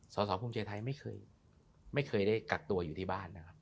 สอบภูมิใจไทยไม่เคยได้กักตัวอยู่ที่บ้านนะครับ